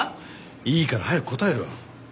いいから早く答えろ。